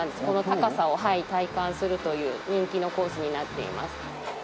この高さを体感するという人気のコースになっています。